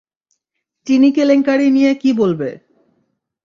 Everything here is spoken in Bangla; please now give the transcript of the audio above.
চিনি কেলেংকারী নিয়ে কী বলবে?